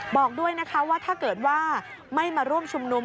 บอกด้วยนะคะว่าถ้าเกิดว่าไม่มาร่วมชุมนุม